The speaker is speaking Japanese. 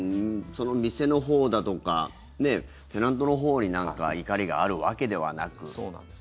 店のほうだとかテナントのほうに何か怒りがあるわけではなく。